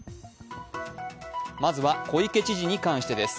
まずは小池知事に関してです。